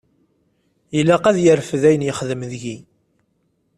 Ilaq ad yerfed ayen yexdem deg-i.